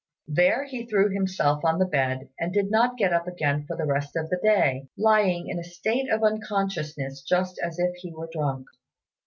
There he threw himself on the bed and did not get up again for the rest of the day, lying in a state of unconsciousness just as if he were drunk.